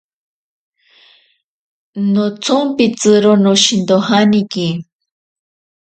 Notsompitziro noshintojaniki.